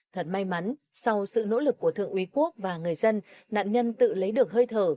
thật may mắn sau sự nỗ lực của thượng úy quốc và người dân nạn nhân tự lấy được hơi thở